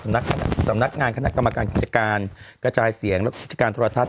สำนักงานสำนักงานคณะกรรมการกิจการกระจายเสียงและก็กิจการธรรมทัศน์